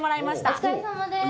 お疲れさまです。